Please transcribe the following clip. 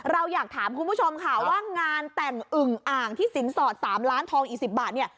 เราอยากถามคุณผู้ชมค่ะว่างานแต่งอึ่งอ่างที่สินสอด๓ล้านทองอีก๑๐บาทเนี่ย